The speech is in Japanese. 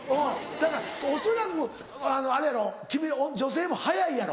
だから恐らくあれやろ君ら女性も早いやろ？